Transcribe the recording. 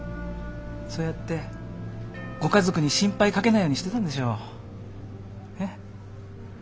そうやってご家族に心配かけないようにしてたんでしょう。ね。